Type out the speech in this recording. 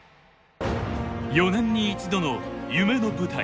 ４年に一度の夢の舞台。